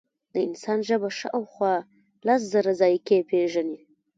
د انسان ژبه شاوخوا لس زره ذایقې پېژني.